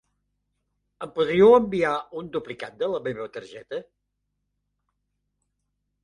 Em podríeu enviar un duplicat de la meva targeta?